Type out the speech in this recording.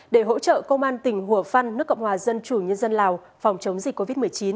để hỗ trợ công an tỉnh hùa phân nước cộng hòa dân chủ nhân dân lào phòng chống dịch covid một mươi chín